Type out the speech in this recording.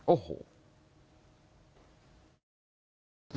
โอ้โห